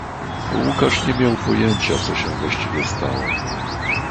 Łukasz nie miał pojęcia, co się właściwie stało.